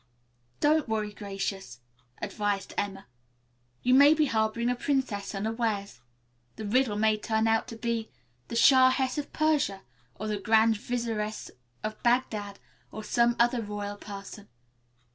"Don't worry, Gracious," advised Emma, "you may be harboring a princess unawares. The Riddle may turn out to be the Shahess of Persia, or the Grand Vizieress of Bagdad or some other royal person.